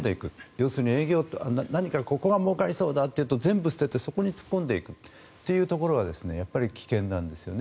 要するに、何かここがもうかりそうだというと全部捨てて、そこに突っ込んでいくというところがやっぱり危険なんですよね。